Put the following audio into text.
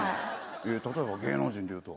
例えば芸能人で言うと？